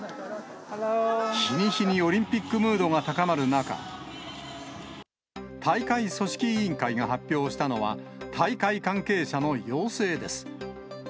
日に日にオリンピックムードが高まる中、大会組織委員会が発表したのは、大会関係者の陽性です。